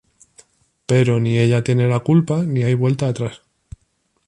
Pero ni ella tiene la culpa ni hay vuelta atrás.